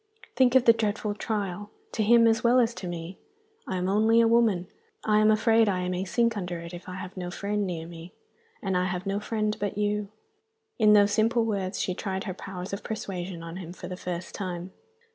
Think of the dreadful trial to him as well as to me! I am only a woman; I am afraid I may sink under it, if I have no friend near me. And I have no friend but you." In those simple words she tried her powers of persuasion on him for the first time.